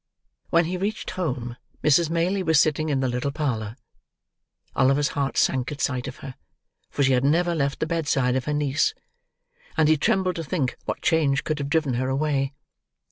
When he reached home Mrs. Maylie was sitting in the little parlour. Oliver's heart sank at sight of her; for she had never left the bedside of her niece; and he trembled to think what change could have driven her away.